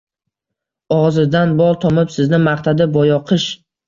Og‘zidan bol tomib sizni maqtadi boyoqish.